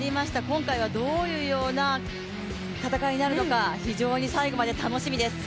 今回はどういうような戦いになるのか非常に最後まで楽しみです。